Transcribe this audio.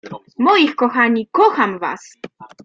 Moich kochani, kocham was.